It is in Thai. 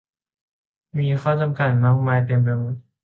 มีข้อจำกัดมากมายเต็มไปหมด